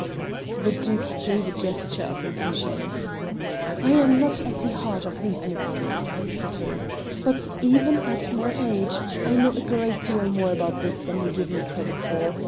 The Duke gave a gesture of impatience. "I am not at the heart of these mysteries," said he, "but even at my age I know a great deal more about this than you give me credit for.